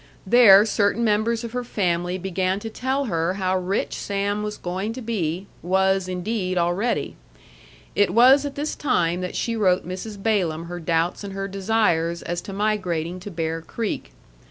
There certain members of her family began to tell her how rich Sam was going to be was, indeed, already. It was at this time that she wrote Mrs. Balaam her doubts and her desires as to migrating to Bear Creek.